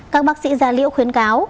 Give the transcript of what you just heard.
các bác sĩ gia liễu khuyến cáo